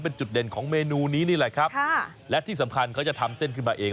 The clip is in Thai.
เป็นจุดเด่นของเมนูนี้นี่แหละครับค่ะและที่สำคัญเขาจะทำเส้นขึ้นมาเอง